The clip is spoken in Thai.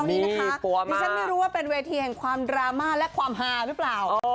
นี่นะคะดิฉันไม่รู้ว่าเป็นเวทีแห่งความดราม่าและความฮาหรือเปล่า